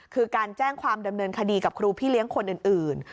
คือการแจ้งความดำเนินคดีกับครูพี่เลี้ยงคนอื่น